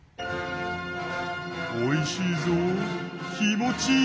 おいしいぞ気持ちいいぞ。